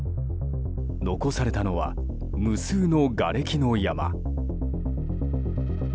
残されたのは無数のがれきの山。